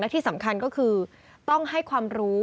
ที่สำคัญก็คือต้องให้ความรู้